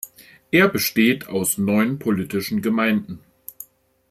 Er besteht aus neun politischen Gemeinden.